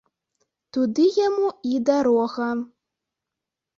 Туды яму і дарога!